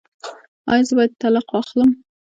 ایا زه باید طلاق واخلم؟